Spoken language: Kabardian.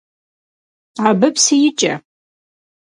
Абы псы икӀэ.